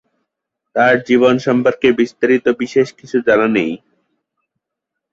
তার জীবন সম্পর্কে বিস্তারিত বিশেষ কিছু জানা নেই।